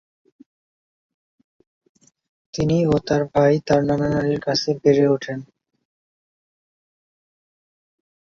তিনি ও তার ভাই তার নানা-নানীর কাছে বেড়ে ওঠেন।